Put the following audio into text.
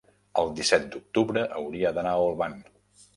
el disset d'octubre hauria d'anar a Olvan.